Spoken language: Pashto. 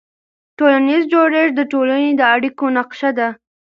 ټولنیز جوړښت د ټولنې د اړیکو نقشه ده.